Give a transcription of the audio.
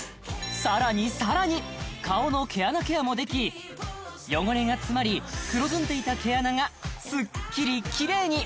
さらにさらに顔の毛穴ケアもでき汚れが詰まり黒ずんでいた毛穴がスッキリキレイに！